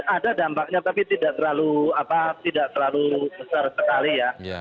ada dampaknya tapi tidak terlalu besar sekali ya